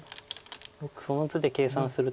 その図で計算すると。